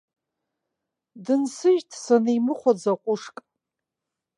Дынсыжьт санимыхәаӡа ҟәышк.